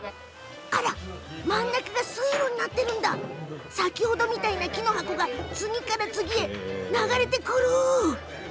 真ん中が水路になっていて先ほどの木の箱が次から次へ流れてくる。